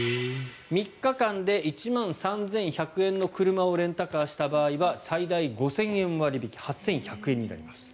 ３日間で１万３１００円の車をレンタカーした場合は最大５０００円割引８１００円になります。